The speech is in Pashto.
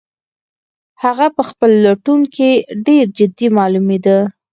هغه په خپل لټون کې ډېر جدي معلومېده.